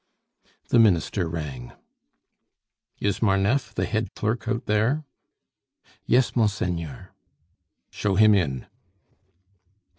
The Minister rang. "Is Marneffe, the head clerk, out there?" "Yes, monseigneur." "Show him in!"